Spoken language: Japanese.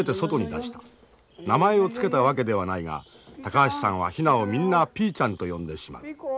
名前を付けたわけではないが高橋さんはヒナをみんなピーちゃんと呼んでしまう。